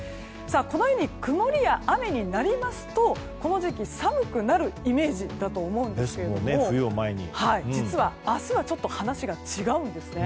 このように曇りや雨になりますとこの時期、寒くなるイメージだと思うんですが実は明日はちょっと話が違うんですね。